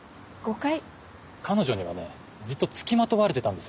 彼女にはねずっと付きまとわれてたんです。